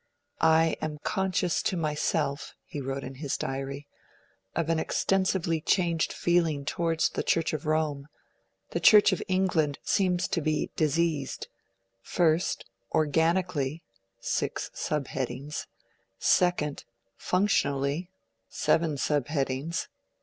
'I am conscious to myself,' he wrote in his Diary, 'of an extensively changed feeling towards the Church of Rome ... The Church of England seems to me to be diseased: 1. ORGANICALLY (six sub headings). 2. FUNCTIONALLY (seven sub headings)